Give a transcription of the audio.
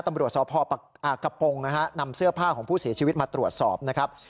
ตำรวจสพกระปงนะฮะนำเสื้อผ้าของผู้เสียชีวิตมาตรวจสอบนะครับ